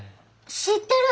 知ってる！